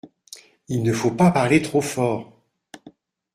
Il ne faut pas parler trop fort !